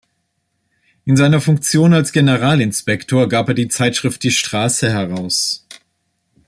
In seiner Funktion als Generalinspektor gab er die Zeitschrift "Die Strasse" heraus.